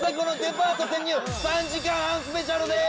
３時間半スペシャルです！